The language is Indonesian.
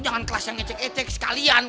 jangan kelas yang ngecek ecek sekalian